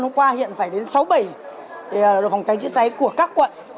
hôm qua hiện phải đến sáu bảy đội phòng cháy chữa cháy của các quận